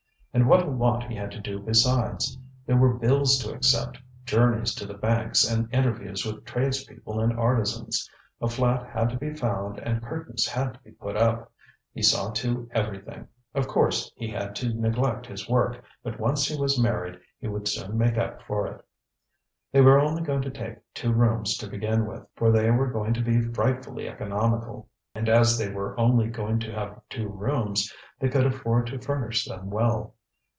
And what a lot he had to do besides! There were bills to accept, journeys to the banks and interviews with tradespeople and artisans; a flat had to be found and curtains had to be put up. He saw to everything. Of course he had to neglect his work; but once he was married, he would soon make up for it. They were only going to take two rooms to begin with, for they were going to be frightfully economical. And as they were only going to have two rooms, they could afford to furnish them well.